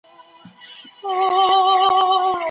دا شتمني مو له کومه کړي ده؟